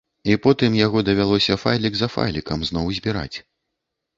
І потым яго давялося файлік за файлікам зноў збіраць.